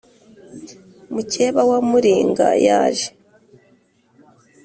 mukeba wa muringa yaje